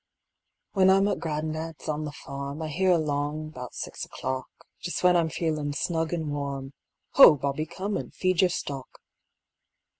When I'm at gran'dad's on the farm, I hear along 'bout six o'clock, Just when I'm feelin' snug an' warm, "Ho, Bobby, come and feed your stock."